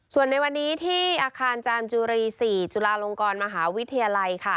ส่วนในวันนี้ที่อาคารจามจุรี๔จุฬาลงกรมหาวิทยาลัยค่ะ